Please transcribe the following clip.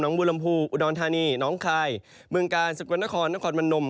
น้องบุรมภูมิอุดนทานีน้องคลายเมืองกาลสุกวันนครนครมนม